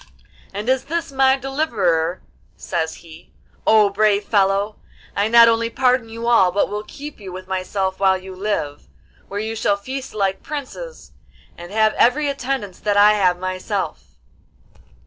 'And is this my deliverer?' says he. 'O brave fellow, I not only pardon you all, but will keep you with myself while you live, where you shall feast like princes, and have every attendance that I have myself.